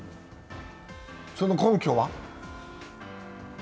その根拠は？